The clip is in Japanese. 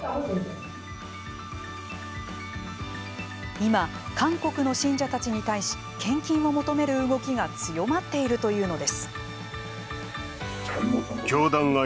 今、韓国の信者たちに対し献金を求める動きが強まっているというのです。